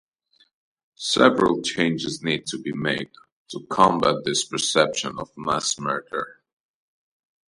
Several changes need to be made to combat this perception of mass murder.